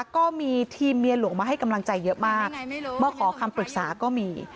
ก็มีทีมเมียหลวงมาให้กำลังใจเยอะมากมาขอคำปรึกษาก็มี